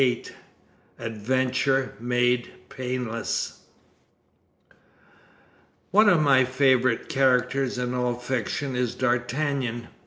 XXXVIII ADVENTURE MADE PAINLESS One of my favorite characters in all fiction is D'Artagnan.